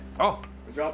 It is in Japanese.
こんにちは。